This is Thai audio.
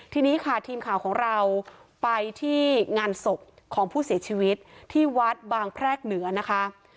ทีนี้ค่ะทีมข่าวของเราไปที่งานศพของผู้เสียชีวิตที่วัดบางแพรกเหนือนะคะ